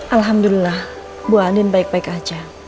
alhamdulillah bu aldin baik baik aja